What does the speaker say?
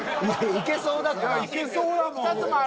いけそうだもん。